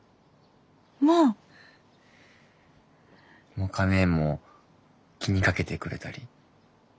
まあ！もか姉も気にかけてくれたり。